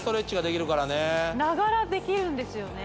まさにながらできるんですよね